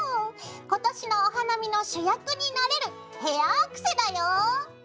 今年のお花見の主役になれるヘアアクセだよ。